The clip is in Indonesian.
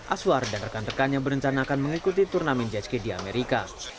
aswar dan rekan rekannya berencana akan mengikuti turnamen jetski di amerika